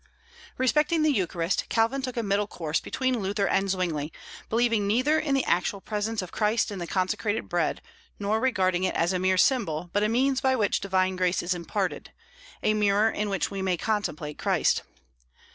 Respecting the Eucharist, Calvin took a middle course between Luther and Zwingli, believing neither in the actual presence of Christ in the consecrated bread, nor regarding it as a mere symbol, but a means by which divine grace is imparted; a mirror in which we may contemplate Christ.